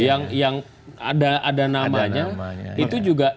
yang ada namanya itu juga